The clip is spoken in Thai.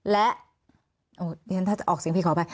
และถ้าจะออกเสียงพี่ขอไป